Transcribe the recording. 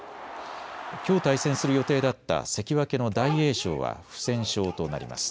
きょう対戦する予定だった関脇の大栄翔は不戦勝となります。